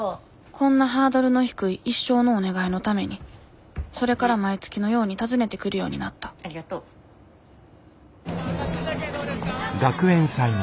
こんなハードルの低い一生のお願いのためにそれから毎月のように訪ねてくるようになった寒くない？